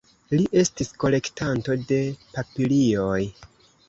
Li estis kolektanto de papilioj.